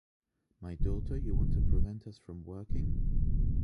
My daughter, you want to prevent us from working ?